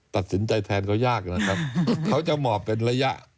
ตัดสินใจแทนเขายากนะครับเขาจะหมอบเป็นระยะ